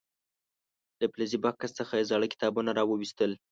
له فلزي بکس څخه یې زاړه کتابونه راو ویستل.